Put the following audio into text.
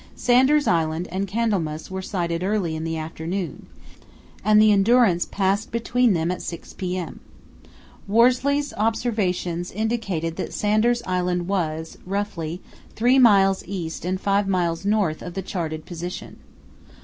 Sanders Island and Candlemas were sighted early in the afternoon, and the Endurance passed between them at 6 p.m. Worsley's observations indicated that Sanders Island was, roughly, three miles east and five miles north of the charted position.